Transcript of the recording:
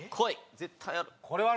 絶対ある。